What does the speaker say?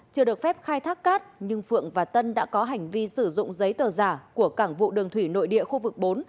chưa được phép khai thác cát nhưng phượng và tân đã có hành vi sử dụng giấy tờ giả của cảng vụ đường thủy nội địa khu vực bốn